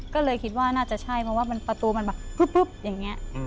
ก็เลยคิดว่าน่าจะใช่เพราะว่าประตูมันแบบปุ๊บอย่างนี้